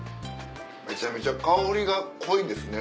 めちゃめちゃ香りが濃いですね